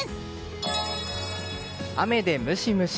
雨でムシムシ。